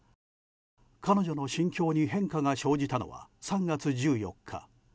彼女の心境に変化が生じたのは３月１４日。